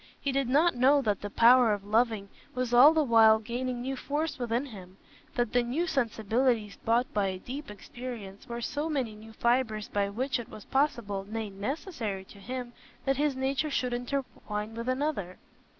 He did not know that the power of loving was all the while gaining new force within him; that the new sensibilities bought by a deep experience were so many new fibres by which it was possible, nay, necessary to him, that his nature should intertwine with another.